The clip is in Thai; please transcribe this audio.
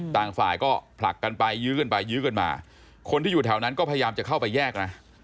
ต่างฝ่ายก็ผลักกันไปยื้อกันไปยื้อกันมาคนที่อยู่แถวนั้นก็พยายามจะเข้าไปแยกนะ